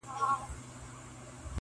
• و غزل ته مي الهام سي ستا غزل غزل خبري,